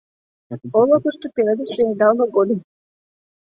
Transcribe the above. Олыкышто пеледыш пеледалме годым.